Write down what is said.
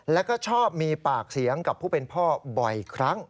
แล้วก็ชอบมีปากเสียงกับผู้เป็นพ่อบ่อยครั้ง